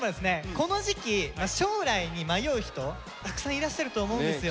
この時期将来に迷う人たくさんいらっしゃると思うんですよ。